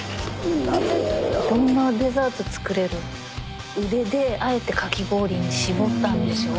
あんなデザート作れる腕であえてかき氷に絞ったんでしょ？